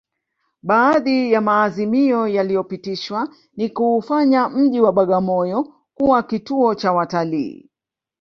Baadhi ya maazimio yaliyopitishwa ni kuufanya mji wa Bagamoyo kuwa kituo cha watalii